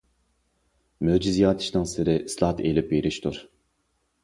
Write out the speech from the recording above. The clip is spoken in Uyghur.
مۆجىزە يارىتىشنىڭ سىرى ئىسلاھات ئېلىپ بېرىشتۇر.